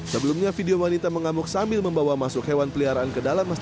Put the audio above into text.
sebelumnya video wanita mengamuk sambil membawa masuk hewan peliharaan ke dalam masjid